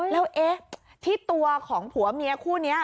แล้วเอ๊ะที่ตัวของผัวเมียคู่นี้